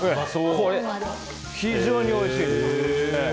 非常においしいですよ。